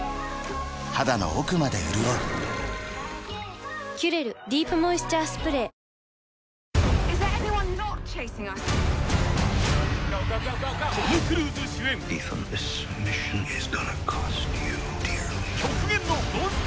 肌の奥まで潤う「キュレルディープモイスチャースプレー」あっつ。